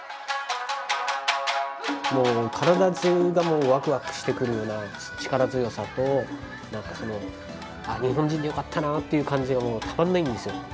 もう体中がワクワクしてくるような力強さと何かその日本人でよかったなという感じがたまんないんですよ。